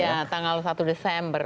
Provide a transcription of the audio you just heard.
ya tanggal satu desember